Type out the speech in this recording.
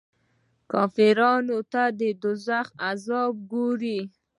کافرانو ته د دوږخ عذابونه ګوري.